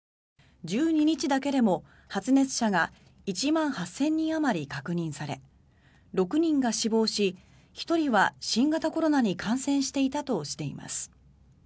１２日だけでも発熱者が１万８０００人あまり確認され６人が死亡し１人は新型コロナに感染していたとしています。